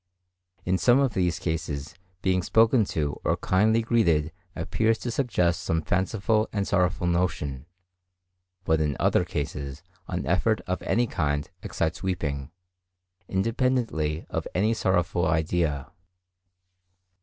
In some of these cases, the being spoken to or kindly greeted appears to suggest some fanciful and sorrowful notion; but in other cases an effort of any kind excites weeping, independently of any sorrowful idea.